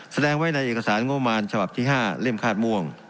แสดงไว้ในเอกสารงบมารฉบับที่๕เล่มคาดม่วง